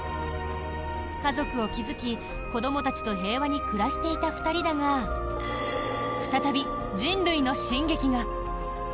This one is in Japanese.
家族を築き、子どもたちと平和に暮らしていた２人だが再び人類の進撃が。